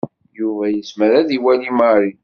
Yuba yezmer ad iwali Mary.